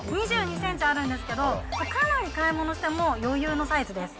２２センチあるんですけど、かなり買い物しても余裕のサイズです。